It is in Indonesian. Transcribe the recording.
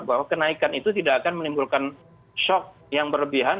bahwa kenaikan itu tidak akan menimbulkan shock yang berlebihan